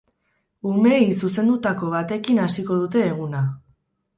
Umeei zuzendutako batekin hasiko dute eguna.